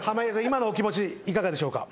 今のお気持ちいかがでしょうか。